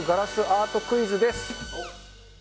アートクイズです。